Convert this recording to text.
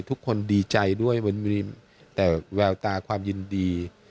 ทุกคนดีใจด้วยมันมีแต่แววตาความยินดี